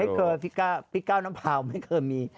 ไม่เคยพี่ก้าวน้ำพราวไม่เคยมี